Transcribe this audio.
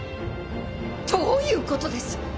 どういうことです。